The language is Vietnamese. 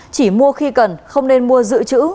chỉ mua khi cần không nên mua dự trữ